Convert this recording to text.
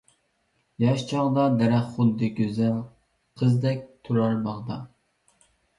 ياش چاغدا دەرەخ خۇددى گۈزەل قىزدەك تۇرار باغدا.